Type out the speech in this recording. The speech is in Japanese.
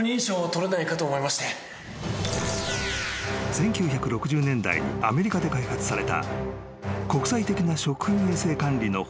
［１９６０年代にアメリカで開発された国際的な食品衛生管理の方式］